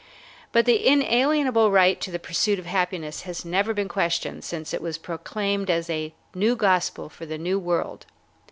But the inalienable right to the pursuit of happiness has never been questioned since it was proclaimed as a new gospel for the New World.